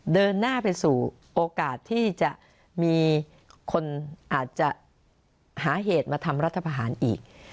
เดินหน้าไปสู่โอกาสที่จะมีคนอาจจะหาเหตุมาทำรัฐประหารอีก